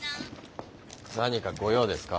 何かご用ですか？